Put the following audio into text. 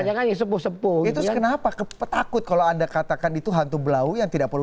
yang sepuh sepuh itu kenapa ketakut kalau anda katakan itu hantu blau yang tidak perlu